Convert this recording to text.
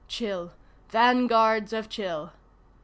(Chil! Vanguards of Chil!)